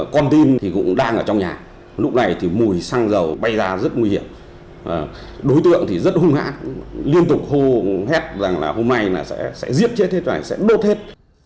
con tin thì cũng đang ở trong nhà lúc này thì mùi xăng dầu bay ra rất nguy hiểm đối tượng thì rất hung hã liên tục hô ho hết rằng là hôm nay là sẽ giết chết thế này sẽ đốt hết